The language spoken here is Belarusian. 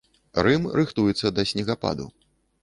Рым рыхтуецца да снегападу.